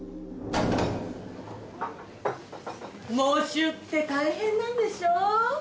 喪主って大変なんでしょ？